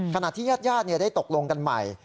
ขณะที่ญาติได้ตกลงกันใหม่